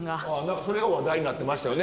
何かそれが話題になってましたよね。